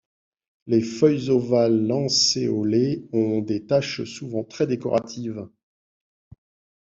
Les feuilles ovales-lancéolées ont des taches souvent très décoratives.